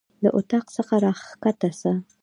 د اطاق څخه راکښته سه.